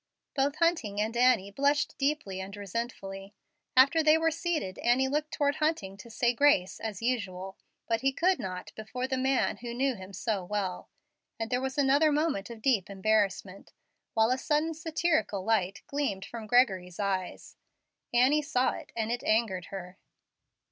Both Hunting and Annie blushed deeply and resentfully. After they were seated, Annie looked toward Hunting to say "grace" as usual, but he could not before the man who knew him so well, and there was another moment of deep embarrassment, while a sudden satirical light gleamed from Gregory's eyes. Annie saw it, and it angered her.